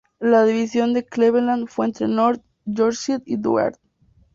La división de Cleveland fue entre North Yorkshire y Durham.